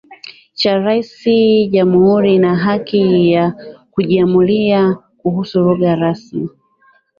cha rais Jamhuri ina haki ya kujiamulia kuhusu lugha rasmi